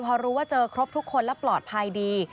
พอรู้ว่าเจอครบทุกคนแล้วปลอดภัยดี